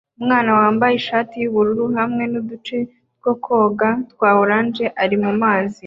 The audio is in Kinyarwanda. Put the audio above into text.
Umwana wambaye ishati yubururu hamwe nuduce two koga twa orange ari mumazi